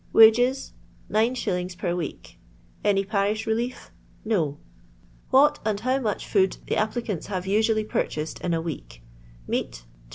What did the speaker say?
Wages f— Nine shillings per week. Any parish relief 1 — No. What and how much food the applicants Aaw usually purchased in a veel: Meat^ 2s.